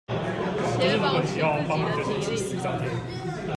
且保持自己的體力